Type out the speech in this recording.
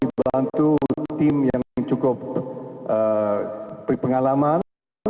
ini berantu tim yang cukup berpengalaman